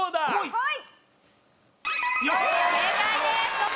はい。